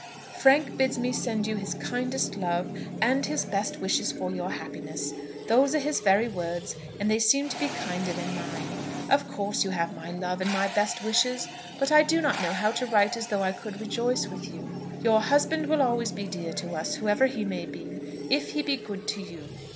Frank bids me send you his kindest love and his best wishes for your happiness. Those are his very words, and they seem to be kinder than mine. Of course you have my love and my best wishes; but I do not know how to write as though I could rejoice with you. Your husband will always be dear to us, whoever he may be, if he be good to you.